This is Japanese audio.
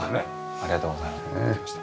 ありがとうございます。